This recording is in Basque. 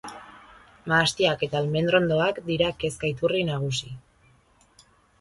Mahastiak eta almendrondoak dira kezka iturri nagusi.